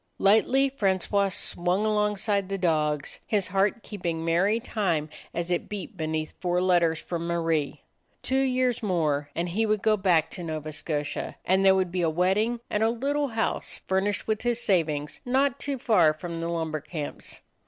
Lightly Francois swung alongside the dogs, his heart keeping merry time as it beat beneath four letters from Marie. Two years 36 A DOG OF THE NORTHLAND more, and he would go back to Nova Scotia, and there would be a wedding and a little house, furnished with his savings; not too far from the lumber camps.